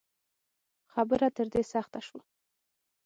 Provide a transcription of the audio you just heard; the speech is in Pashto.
خبره تر دې سخته شوه